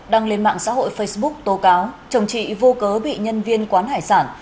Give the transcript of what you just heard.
đăng lên mạng xã hội facebook tố cáo chồng chị vô cớ bị nhân viên quán hải sản